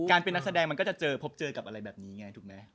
เป็นนักแสดงมันก็จะเจอพบเจอกับอะไรแบบนี้ไงถูกไหม